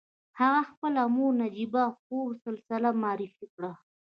هغه خپله مور نجيبه خور سلسله معرفي کړه.